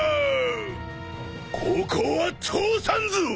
ここは通さんぞ！